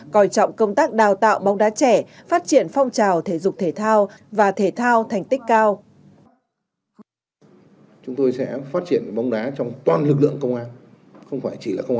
coi trọng công tác đào tạo bóng đá trẻ phát triển phong trào thể dục thể thao và thể thao thành tích cao